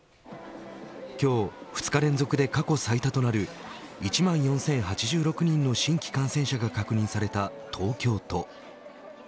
今日２日連続で過去最多となる１万４０８６人の新規感染者が確認された東京都。